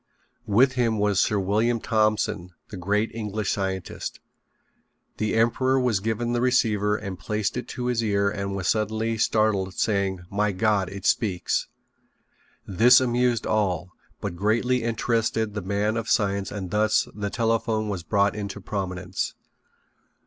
With him was Sir William Thompson, the great English scientist. The emperor was given the receiver and placed it to his ear and was suddenly startled, saying: "My God, it speaks." This amused all, but greatly interested the man of science and thus the telephone was brought into prominence.